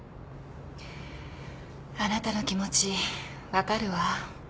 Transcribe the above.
あなたの気持ち分かるわ